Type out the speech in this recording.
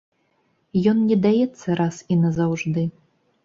Ён не даецца раз і назаўжды.